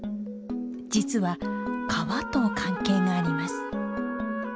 実は川と関係があります。